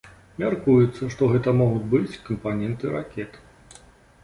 Мяркуецца, што гэта могуць быць кампаненты ракет.